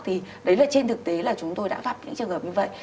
thì đấy là trên thực tế là chúng tôi đã gặp những trường hợp như vậy